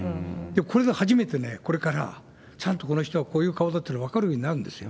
これが初めてね、これからちゃんと、この人はこういう顔だっていうのが分かるようになるんですよ。